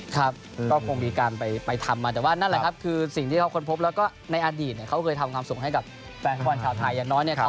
ครับก็คงมีการไปทำมาแต่ว่านั่นแหละครับคือสิ่งที่เขาค้นพบแล้วก็ในอดีตเขาเคยทำความสุขให้กับแฟนฟุตบอลชาวไทยอย่างน้อยเนี่ย